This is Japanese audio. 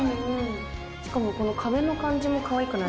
しかもこの壁の感じもかわいくないですか？